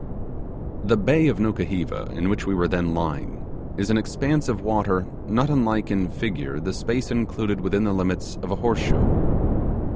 The bay of Nukuheva in which we were then lying is an expanse of water not unlike in figure the space included within the limits of a horse shoe.